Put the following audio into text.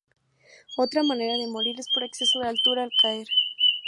Otra manera de morir es por exceso de altura al caer.